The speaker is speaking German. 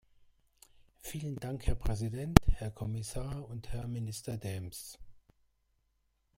Vielen Dank Herr Präsident, Herr Kommissar und Herr Minister Daems.